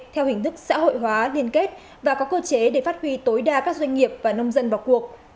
theo hình thức xã hội hóa liên kết và có cơ chế để phát huy tối đa các doanh nghiệp và nông dân vào cuộc